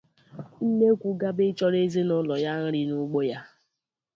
Nnekwu gaba ịchọrọ ezinaụlọ ya nri n’ugbo ya.